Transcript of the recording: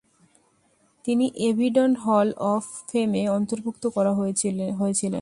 তিনি AVN hall of ফেমে অন্তর্ভুক্ত করা হয়েছিলেন।